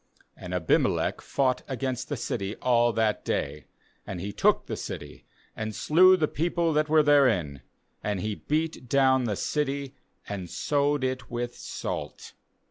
45And Abimelech fought against the' city all that day; and he took the city, and slew the people that were therein; and he beat down the city, and sowed it with salt.